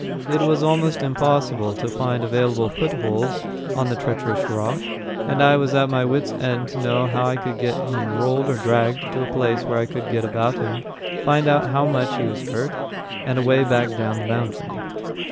It was almost impossible to find available footholds on the treacherous rock, and I was at my wits' end to know how to get him rolled or dragged to a place where I could get about him, find out how much he was hurt, and a way back down the mountain.